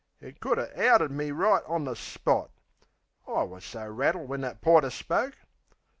You could 'a' outed me right on the spot! I wus so rattled when that porter spoke.